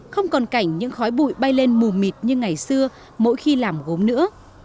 không còn cảnh những khói bụi bay lên mù mịt như ngày xưa mỗi khi làm gốm nữa